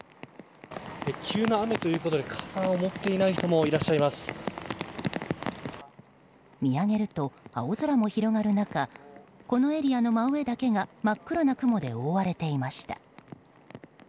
急な雨ということで傘を持っていない人も見上げると、青空も広がる中このエリアの真上だけが真っ黒な雲で覆われていました。